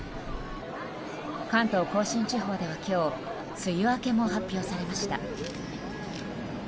関東・甲信地方では今日梅雨明けも発表されました。